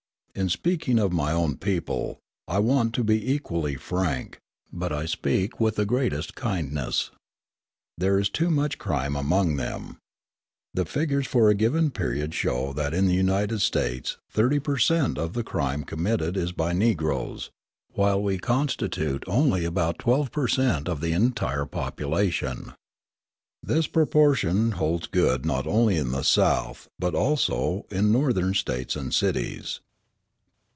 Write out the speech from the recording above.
In speaking of my own people, I want to be equally frank; but I speak with the greatest kindness. There is too much crime among them. The figures for a given period show that in the United States thirty per cent. of the crime committed is by Negroes, while we constitute only about twelve per cent. of the entire population. This proportion holds good not only in the South, but also in Northern States and cities.